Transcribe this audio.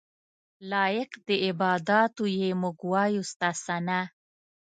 لایق د عباداتو یې موږ وایو ستا ثناء.